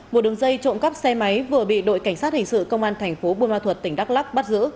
một đường dây trộm cắp xe máy vừa bị đội cảnh sát hình sự công an thành phố bùa ma thuật tỉnh đắk lắc bắt giữ